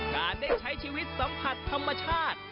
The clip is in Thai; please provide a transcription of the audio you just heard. การได้ใช้ชีวิตสัมผัสธรรมชาติ